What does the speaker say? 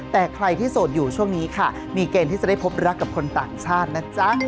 แต่ใครที่โสดอยู่ช่วงนี้ค่ะมีเกณฑ์ที่จะได้พบรักกับคนต่างชาตินะจ๊ะ